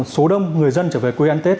số đông người dân trở về quê ăn tết